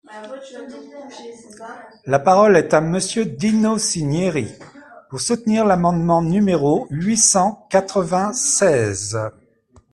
La parole est à Monsieur Dino Cinieri, pour soutenir l’amendement numéro huit cent quatre-vingt-seize.